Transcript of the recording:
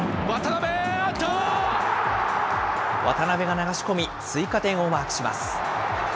渡邊が流し込み、追加点をマークします。